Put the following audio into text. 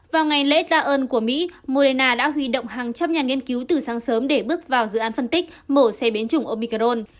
vào ngày lễ tạ ơn của mỹ moderna đã huy động hàng trăm nhà nghiên cứu từ sáng sớm để bước vào dự án phân tích mổ xe biến chủng obicaron